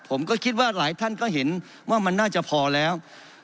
ผมก็คิดว่าหลายท่านก็เห็นว่ามันน่าจะพอแล้ว